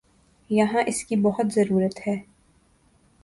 یہاں اس کی بہت ضرورت ہے۔